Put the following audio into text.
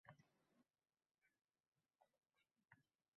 Xayolimda biri manim